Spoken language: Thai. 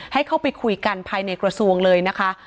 ให้เข้าไปคุยกันภายในกระทรวงเลยนะคะ